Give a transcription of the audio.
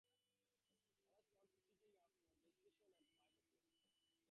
Alice wants picking up from the station at five o'clock.